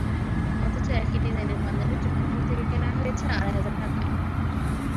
অথচ একই ডিজাইনের পাঞ্জাবি চট্টগ্রাম থেকে কেনা হয়েছে আড়াই হাজার টাকায়।